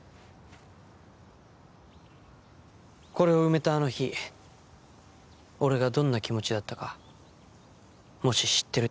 これを埋めたあの日俺がどんな気持ちだったかもし知ってるっていうなら。